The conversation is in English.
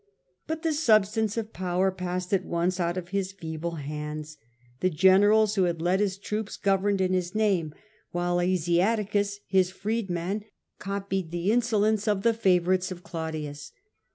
But the substance who let his power passed at once out of his feeble favourites hands j the generals who had led his troops whlf^he governed in his name, while Asiaticus, his feasted. freedman, copied the insolence of the fa vourites of Claudius.